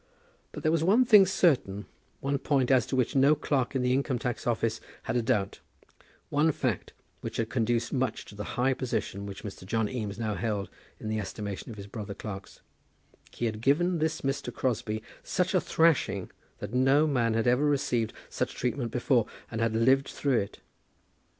But there was one thing certain, one point as to which no clerk in the Income tax Office had a doubt, one fact which had conduced much to the high position which Mr. John Eames now held in the estimation of his brother clerks, he had given this Mr. Crosbie such a thrashing that no man had ever received such treatment before and had lived through it.